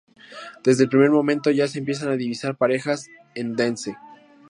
Desde el primer momento ya se empiezan a divisar parejas en ""Dance!"".